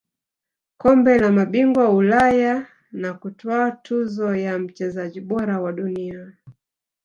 kombe la mabingwa Ulaya na kutwaa tuzo ya mchezaji bora wa dunia